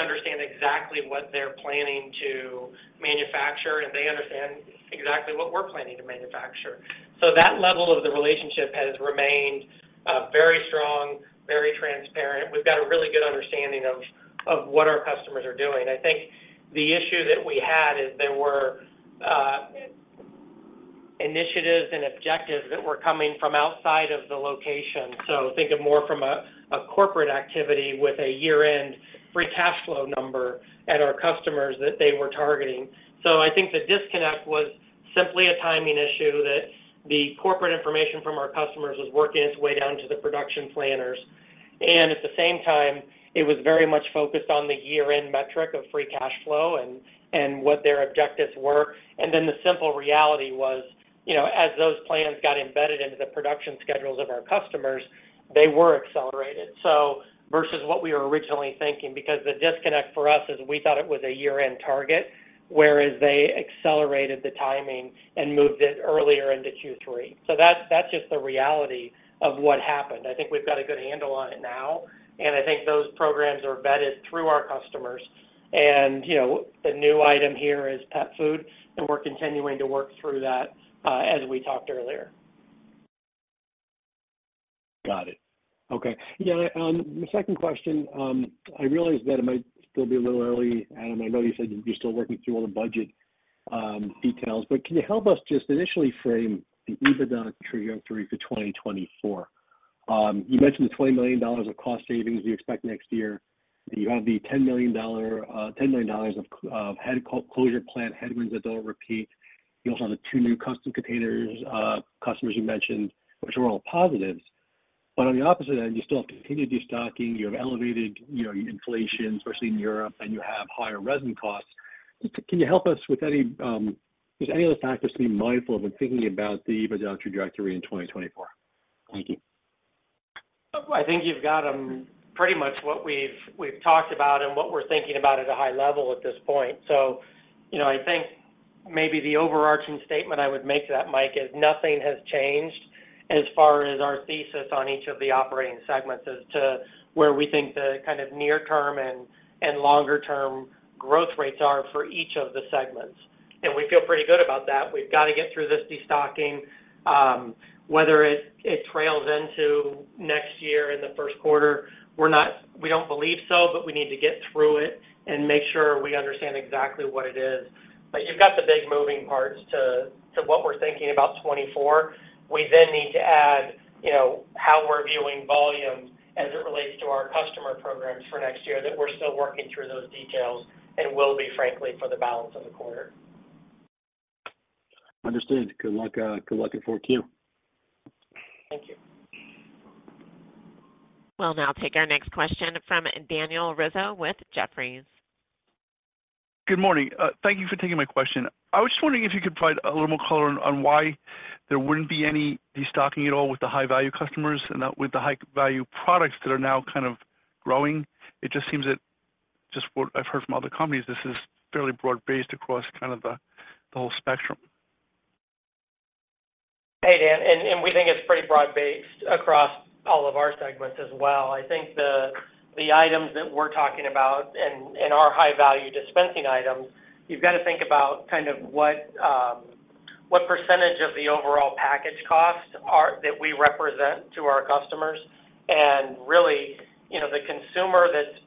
understand exactly what they're planning to manufacture, and they understand exactly what we're planning to manufacture. So that level of the relationship has remained very strong, very transparent. We've got a really good understanding of what our customers are doing. I think the issue that we had is there were initiatives and objectives that were coming from outside of the location. So think of more from a corporate activity with a year-end free cash flow number at our customers that they were targeting. So I think the disconnect was simply a timing issue, that the corporate information from our customers was working its way down to the production planners. And at the same time, it was very much focused on the year-end metric of free cash flow and what their objectives were. And then the simple reality was, you know, as those plans got embedded into the production schedules of our customers, they were accelerated. So versus what we were originally thinking, because the disconnect for us is we thought it was a year-end target, whereas they accelerated the timing and moved it earlier into Q3. So that's just the reality of what happened. I think we've got a good handle on it now, and I think those programs are vetted through our customers. And, you know, the new item here is pet food, and we're continuing to work through that, as we talked earlier. Got it. Okay. Yeah, the second question, I realize that it might still be a little early, Adam. I know you said you're still working through all the budget details, but can you help us just initially frame the EBITDA trajectory for 2024? You mentioned the $20 million of cost savings you expect next year. You have the $10 million of head closure plan headwinds that they'll repeat. You also have the two new Custom Containers customers you mentioned, which are all positives. But on the opposite end, you still have continued destocking, you have elevated, you know, inflation, especially in Europe, and you have higher resin costs. Can you help us with any... There's any other factors to be mindful of when thinking about the EBITDA trajectory in 2024? Thank you. I think you've got pretty much what we've talked about and what we're thinking about at a high level at this point. So, you know, I think maybe the overarching statement I would make to that, Mike, is nothing has changed as far as our thesis on each of the operating segments as to where we think the kind of near term and longer term growth rates are for each of the segments. And we feel pretty good about that. We've got to get through this destocking, whether it trails into next year in the first quarter, we're not, we don't believe so, but we need to get through it and make sure we understand exactly what it is. But you've got the big moving parts to what we're thinking about 2024. We then need to add, you know, how we're viewing volumes as it relates to our customer programs for next year, that we're still working through those details and will be, frankly, for the balance of the quarter. Understood. Good luck, good luck in 4Q. Thank you. We'll now take our next question from Daniel Rizzo with Jefferies. Good morning. Thank you for taking my question. I was just wondering if you could provide a little more color on, on why there wouldn't be any destocking at all with the high-value customers and, with the high-value products that are now kind of growing. It just seems that just what I've heard from other companies, this is fairly broad-based across kind of the, the whole spectrum. Hey, Dan, and we think it's pretty broad-based across all of our segments as well. I think the items that we're talking about and are high-value dispensing items. You've got to think about kind of what, what percentage of the overall package costs are that we represent to our customers. And really, you know, the consumer that's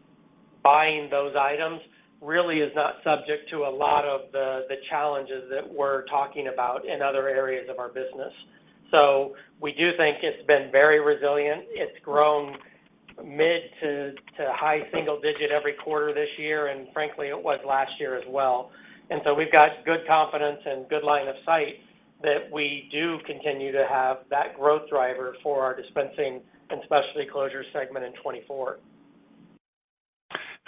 buying those items really is not subject to a lot of the challenges that we're talking about in other areas of our business. So we do think it's been very resilient. It's grown mid- to high-single-digit every quarter this year, and frankly, it was last year as well. And so we've got good confidence and good line of sight that we do continue to have that growth driver for our Dispensing and Specialty Closures segment in 2024.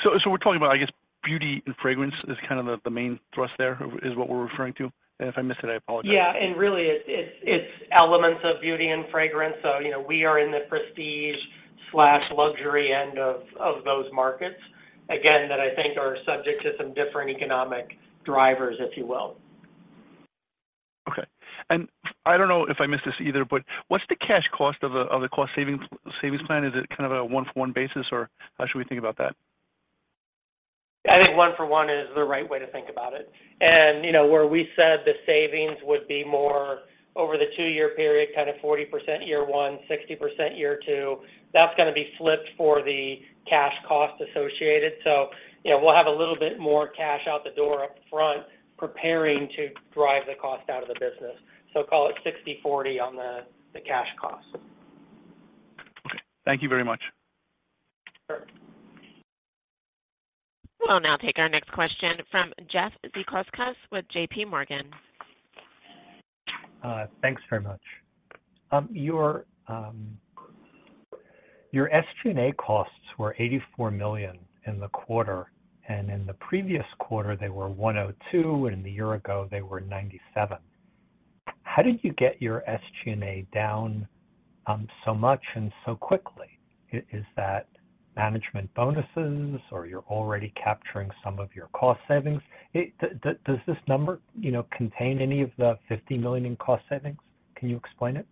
So, we're talking about, I guess, beauty and fragrance is kind of the main thrust there, is what we're referring to? And if I missed it, I apologize. Yeah, and really it's elements of beauty and fragrance. So, you know, we are in the prestige/luxury end of those markets, again, that I think are subject to some different economic drivers, if you will. Okay. I don't know if I missed this either, but what's the cash cost of the cost savings savings plan? Is it kind of a one-for-one basis, or how should we think about that?... I think one for one is the right way to think about it. And, you know, where we said the savings would be more over the two-year period, kind of 40% year one, 60% year two, that's gonna be flipped for the cash cost associated. So, you know, we'll have a little bit more cash out the door up front, preparing to drive the cost out of the business. So call it 60/40 on the cash cost. Okay. Thank you very much. Sure. We'll now take our next question from Jeffrey Zekauskas with JPMorgan. Thanks very much. Your SG&A costs were $84 million in the quarter, and in the previous quarter, they were $102 million, and a year ago, they were $97 million. How did you get your SG&A down so much and so quickly? Is that management bonuses, or you're already capturing some of your cost savings? Does this number, you know, contain any of the $50 million in cost savings? Can you explain it?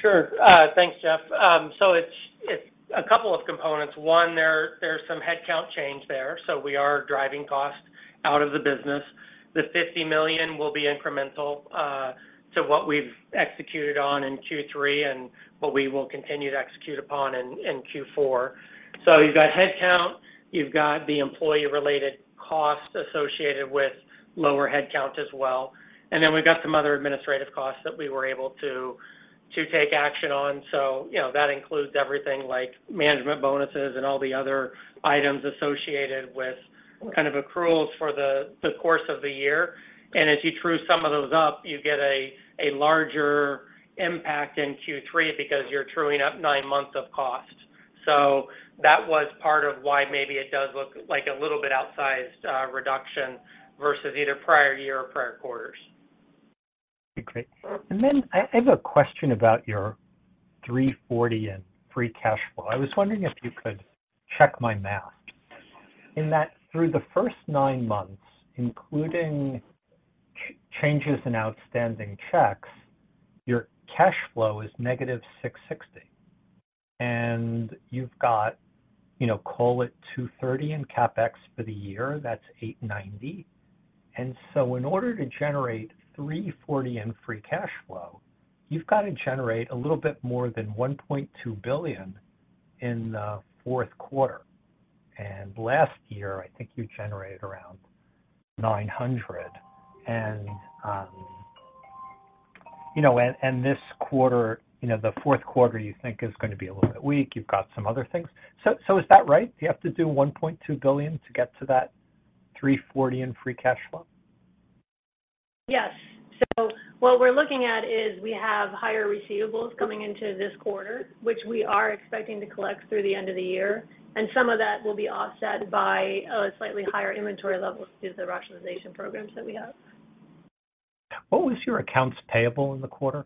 Sure. Thanks, Jeff. So it's a couple of components. One, there's some headcount change there, so we are driving costs out of the business. The $50 million will be incremental to what we've executed on in Q3 and what we will continue to execute upon in Q4. So you've got headcount, you've got the employee-related costs associated with lower headcount as well, and then we've got some other administrative costs that we were able to take action on. So, you know, that includes everything like management bonuses and all the other items associated with kind of accruals for the course of the year. And as you true some of those up, you get a larger impact in Q3 because you're truing up nine months of cost. So that was part of why maybe it does look like a little bit outsized reduction versus either prior year or prior quarters. Okay. And then I have a question about your $340 million in free cash flow. I was wondering if you could check my math, in that through the first nine months, including changes in outstanding checks, your cash flow is negative $660 million. And you've got, you know, call it $230 million in CapEx for the year, that's $890 million. And so in order to generate $340 million in free cash flow, you've got to generate a little bit more than $1.2 billion in the fourth quarter. And last year, I think you generated around $900 million. And, you know, and this quarter, you know, the fourth quarter, you think is gonna be a little bit weak. You've got some other things. So, so is that right? You have to do $1.2 billion to get to that $340 in free cash flow? Yes. What we're looking at is we have higher receivables coming into this quarter, which we are expecting to collect through the end of the year, and some of that will be offset by a slightly higher inventory level through the rationalization programs that we have. What was your accounts payable in the quarter?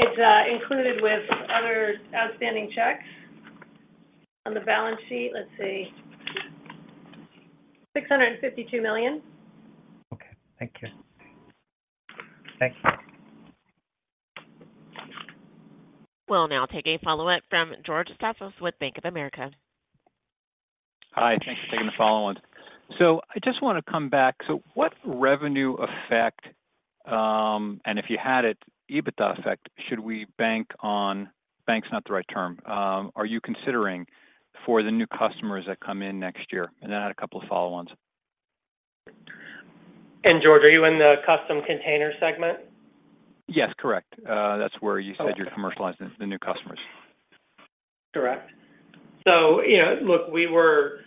It's included with other outstanding checks on the balance sheet. Let's see. $652 million. Okay, thank you. Thank you. We'll now take a follow-up from George Staphos with Bank of America. Hi, thanks for taking the follow on. So I just want to come back. So what revenue effect, and if you had it, EBITDA effect, should we bank on... Bank's not the right term, are you considering for the new customers that come in next year? And then I had a couple of follow-ons. George, are you in the Custom Container segment? Yes, correct. That's where you said- Okay. You're commercializing the new customers. Correct. So, you know, look, we were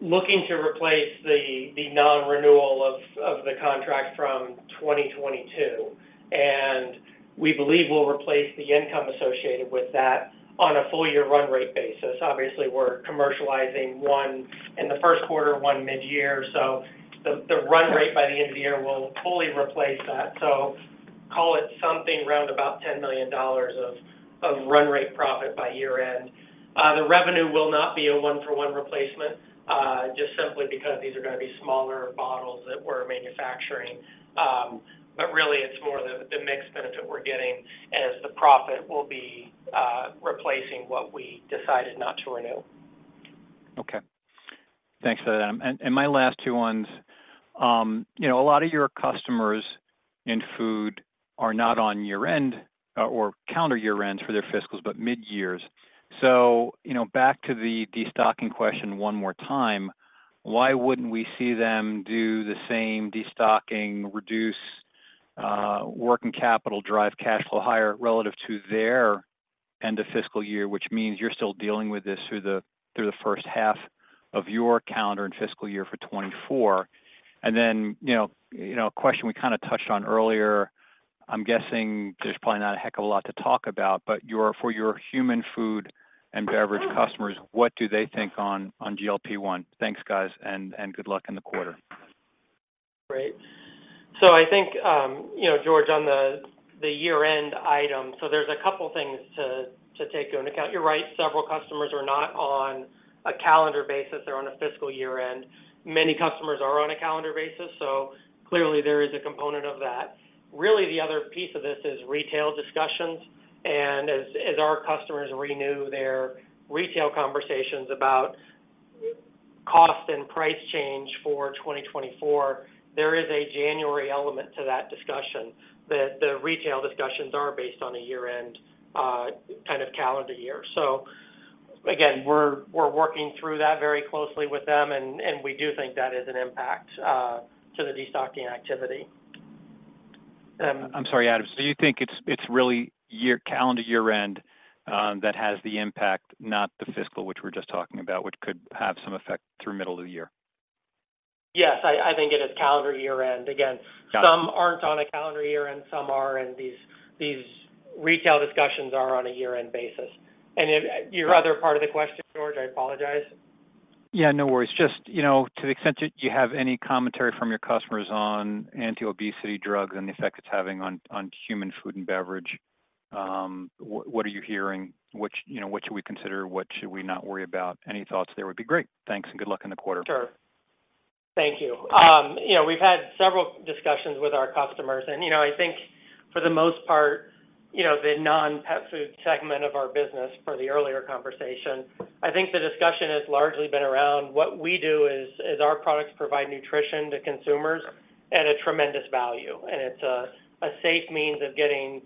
looking to replace the non-renewal of the contract from 2022, and we believe we'll replace the income associated with that on a full year run rate basis. Obviously, we're commercializing one in the first quarter, one mid-year, so the run rate by the end of the year will fully replace that. So call it something around about $10 million of run rate profit by year end. The revenue will not be a one-for-one replacement, just simply because these are gonna be smaller bottles that we're manufacturing. But really it's more the mix benefit we're getting as the profit will be replacing what we decided not to renew. Okay. Thanks for that. And my last two ones, you know, a lot of your customers in food are not on year-end or calendar year ends for their fiscals, but mid-years. So, you know, back to the destocking question one more time, why wouldn't we see them do the same destocking, reduce working capital, drive cash flow higher relative to their end of fiscal year, which means you're still dealing with this through the first half of your calendar and fiscal year for 2024? And then, you know, a question we kind of touched on earlier, I'm guessing there's probably not a heck of a lot to talk about, but your for your human food and beverage customers, what do they think on GLP-1? Thanks, guys, and good luck in the quarter. Great. So I think, you know, George, on the year-end item, so there's a couple things to take into account. You're right, several customers are not on a calendar basis, they're on a fiscal year-end. Many customers are on a calendar basis, so clearly there is a component of that. Really, the other piece of this is retail discussions, and as our customers renew their retail conversations about cost and price change for 2024, there is a January element to that discussion, that the retail discussions are based on a year-end kind of calendar year. So again, we're working through that very closely with them, and we do think that is an impact to the destocking activity. I'm sorry, Adam, so you think it's really year— calendar year-end that has the impact, not the fiscal, which we're just talking about, which could have some effect through middle of the year? Yes, I think it is calendar year-end. Again- Got it. Some aren't on a calendar year-end, some are, and these, these retail discussions are on a year-end basis. And then, your other part of the question, George, I apologize. Yeah, no worries. Just, you know, to the extent that you have any commentary from your customers on anti-obesity drugs and the effect it's having on human food and beverage, what are you hearing? You know, what should we consider? What should we not worry about? Any thoughts there would be great. Thanks, and good luck in the quarter. Sure. Thank you. You know, we've had several discussions with our customers and, you know, I think for the most part, you know, the non-pet food segment of our business for the earlier conversation, I think the discussion has largely been around what we do is our products provide nutrition to consumers at a tremendous value, and it's a safe means of getting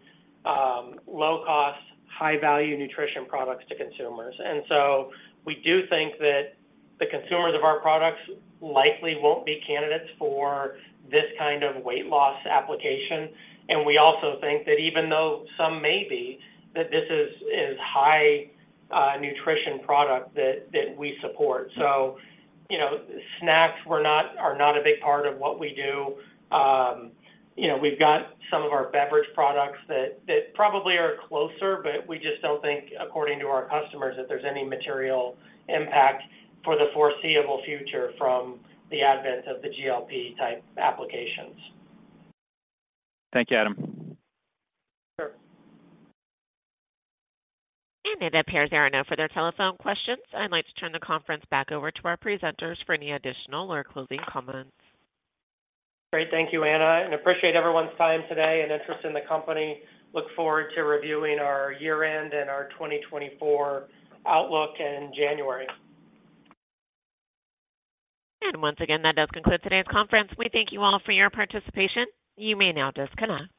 low-cost, high-value nutrition products to consumers. And so we do think that the consumers of our products likely won't be candidates for this kind of weight loss application. And we also think that even though some may be, that this is high nutrition product that we support. So, you know, snacks are not a big part of what we do. You know, we've got some of our beverage products that probably are closer, but we just don't think, according to our customers, that there's any material impact for the foreseeable future from the advent of the GLP-type applications. Thank you, Adam. Sure. That appears there are none for the telephone questions. I'd like to turn the conference back over to our presenters for any additional or closing comments. Great. Thank you, Anna, and appreciate everyone's time today and interest in the company. Look forward to reviewing our year-end and our 2024 outlook in January. Once again, that does conclude today's conference. We thank you all for your participation. You may now disconnect.